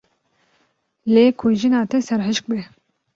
Lê ku jina te serhişk be.